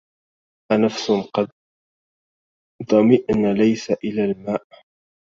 أنفس قد ظمئن ليس إلى الماء